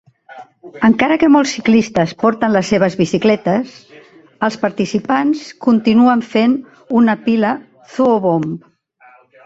Encara que molts ciclistes porten les seves bicicletes, els participants continuen fent una "pila Zoobomb".